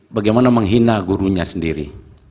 bagaimana menghina gurunya sendiri